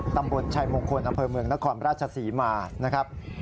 ตำบลชัยมงคลอำเภอเมืองนครราชศรีมานะครับ